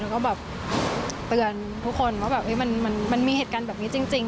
แล้วก็แบบเตือนทุกคนว่าแบบมันมีเหตุการณ์แบบนี้จริง